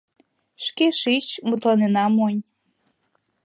Шке шич, мутланена монь.